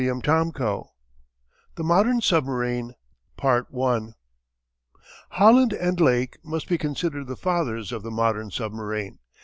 CHAPTER XIV THE MODERN SUBMARINE Holland and Lake must be considered the fathers of the modern submarine.